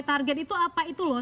target itu apa itu loh